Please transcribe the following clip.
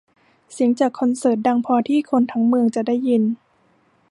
เสียงจากคอนเสิร์ตดังพอที่คนทั้งเมืองจะได้ยิน